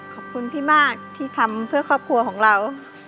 ขอบคุณพี่มากที่ทำเพื่อครอบครัวของเรา